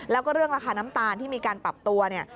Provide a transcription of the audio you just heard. แล้วก็เรื่องราคาน้ำตาลที่มีการปรับตัวเนี่ย